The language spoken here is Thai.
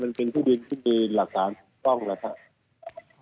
มันเป็นที่ดินที่มีหลักการศูนย์ต้องครับครับ